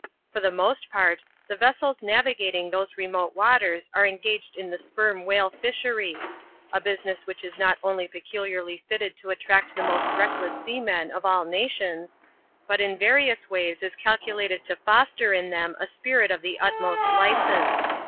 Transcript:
For the most part, the vessels navigating those remote waters are engaged in the Sperm Whale Fishery ; a business which is not only peculiarly fitted to attract the most reckless seamen of all nations, but in various ways is calculated to foster in them a spirit of the utmost licence.